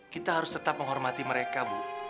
kita harus tetap menghormati mereka bu